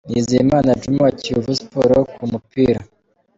Nizeyimana Djuma wa Kiyovu Sport ku mupira.